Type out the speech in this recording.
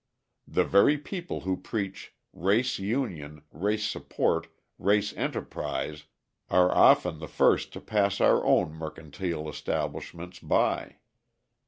The very people who preach "race union, race support, race enterprise," are often the first to pass our own mercantile establishments by.